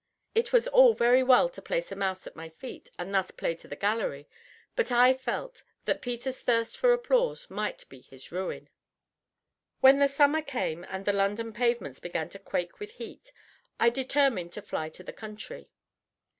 It was all very well to place a mouse at my feet and thus play to the gallery, but I felt that Peter's thirst for applause might be his ruin. When the summer came, and the London pavements began to quake with heat, I determined to fly to the country.